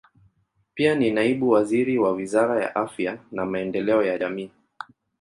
Pia ni naibu waziri wa Wizara ya Afya na Maendeleo ya Jamii.